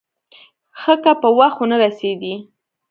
ښه که په وخت ونه رسېدې.